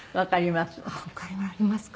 わかります。